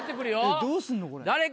どうすんのこれ。